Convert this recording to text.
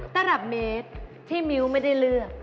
ตลับเมตรที่มิ้วไม่ได้เลือก